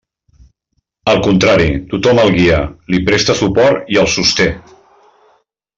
Al contrari, tothom el guia, li presta suport i el sosté.